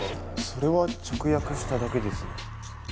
それは直訳しただけですね